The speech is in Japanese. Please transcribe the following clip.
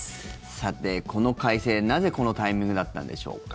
さて、この改正なぜ、このタイミングだったんでしょうか？